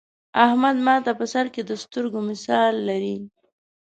احمد ماته په سر کې د سترگو مثال لري.